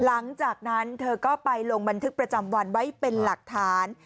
หลังจากนั้นเธอก็ไปลงบันทึกประจำวันไว้เป็นหลักฐาน